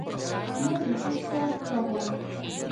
انا د هر چا ښه غواړي